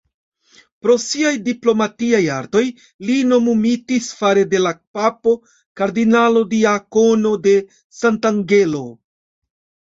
Pro siaj diplomatiaj artoj li nomumitis fare de la papo "Kardinalo-diakono de Sant'Angelo".